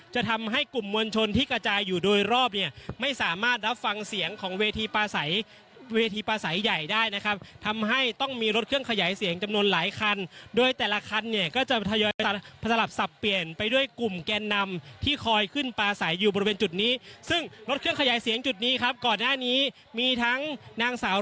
จะทำให้กลุ่มมวลชนที่กระจายอยู่โดยรอบเนี่ยไม่สามารถรับฟังเสียงของเวทีปลาใสเวทีปลาใสใหญ่ได้นะครับทำให้ต้องมีรถเครื่องขยายเสียงจำนวนหลายคันโดยแต่ละคันเนี่ยก็จะทยอยสลับสับเปลี่ยนไปด้วยกลุ่มแกนนำที่คอยขึ้นปลาใสอยู่บริเวณจุดนี้ซึ่งรถเครื่องขยายเสียงจุดนี้ครับก่อนหน้านี้มีทั้งนางสาว